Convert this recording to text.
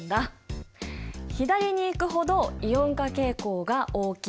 左に行くほどイオン化傾向が大きい。